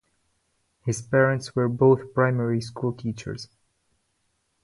His parents were both primary school teachers.